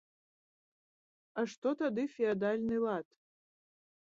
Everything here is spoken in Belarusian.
А што тады феадальны лад?